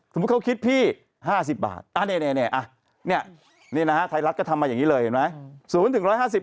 สมมุติเขาคิดพี่๕๐บาทนี่นะฮะไทยรัฐก็ทำมาอย่างนี้เลยเห็นไหม